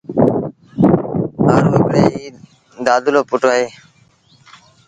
مآ رو هڪڙو ئيٚ دآدلو پُٽ هُݩدو